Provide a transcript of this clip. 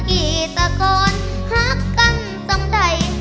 บีตะโกนหักกันตอมใด